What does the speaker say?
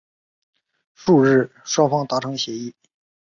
翌日双方达成协议。